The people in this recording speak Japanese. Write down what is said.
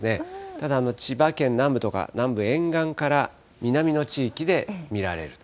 ただ、千葉県南部とか、南部沿岸から南の地域で見られると。